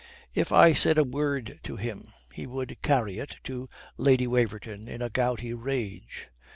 If I said a word to him he would carry it to Lady Waverton in a gouty rage.